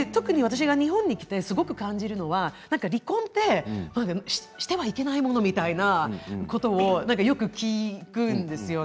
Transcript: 日本に来て感じるのは、離婚ってしてはいけないものみたいなことをよく聞くんですよね。